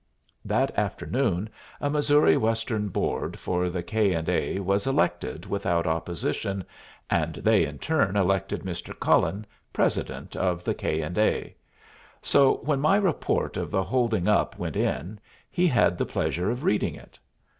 That afternoon a Missouri Western board for the K. & A. was elected without opposition, and they in turn elected Mr. Cullen president of the K. & A.; so when my report of the holding up went in, he had the pleasure of reading it.